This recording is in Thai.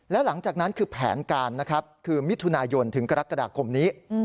และหลังจากนั้นคือแผนการมิถุนาย่นถึงกรกฎากรมนี้